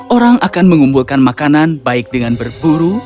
orang akan mengumpulkan makanan baik dengan berburu